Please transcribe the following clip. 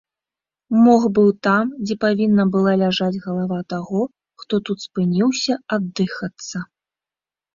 Мох быў там, дзе павінна была ляжаць галава таго, хто тут спыніўся аддыхацца.